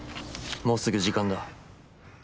もうすぐ時間だ。